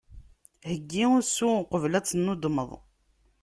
Heggi usu, uqbel ad tennudmeḍ.